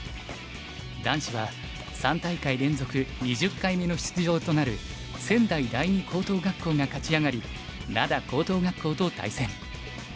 男子は３大会連続２０回目の出場となる仙台第二高等学校が勝ち上がり灘高等学校と対戦。